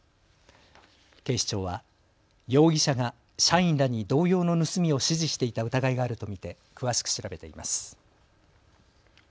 警視庁は容疑者が社員らに同様の盗みを指示していた疑いがあると見て詳しく調べています。